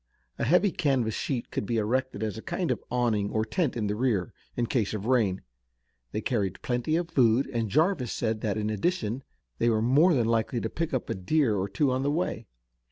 A heavy canvas sheet could be erected as a kind of awning or tent in the rear, in case of rain. They carried plenty of food, and Jarvis said that in addition they were more than likely to pick up a deer or two on the way.